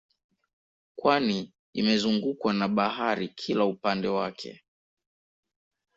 Kwani imezungukwa na bahari kila upande wake